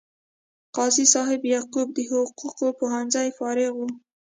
قاضي صاحب یعقوب د حقوقو پوهنځي فارغ و.